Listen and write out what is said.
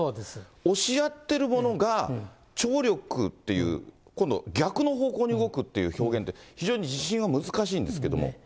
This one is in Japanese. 押し合ってるものが、張力っていう、今度逆の方向に動くっていう表現で、非常に地震は難しいんですけれども。